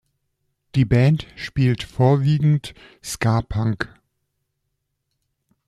Die Band spielt vorwiegend Ska-Punk.